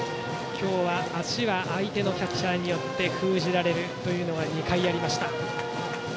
今日は、足は相手のキャッチャーによって封じられるというのが２回ありました。